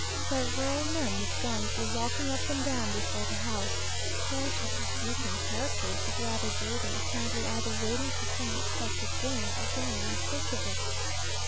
Several men, with guns, were walking up and down before the house sporting looking characters, but rather dirty apparently either waiting for some expected game, or going in search of it.